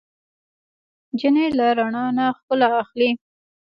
نجلۍ له رڼا نه ښکلا اخلي.